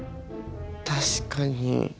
確かに。